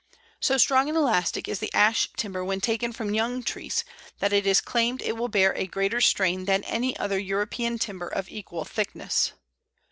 So strong and elastic is the Ash timber when taken from young trees, that it is claimed it will bear a greater strain than any other European timber of equal thickness.